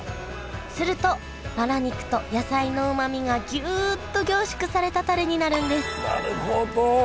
するとバラ肉と野菜のうまみがギュッと凝縮されたタレになるんですなるほど。